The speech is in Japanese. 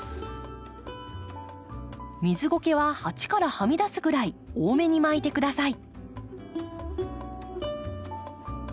水ゴケは鉢からはみ出すぐらい多めに巻いて下さい。